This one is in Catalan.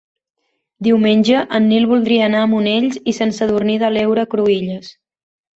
Diumenge en Nil voldria anar a Monells i Sant Sadurní de l'Heura Cruïlles.